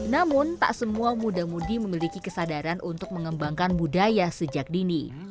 namun tak semua muda mudi memiliki kesadaran untuk mengembangkan budaya sejak dini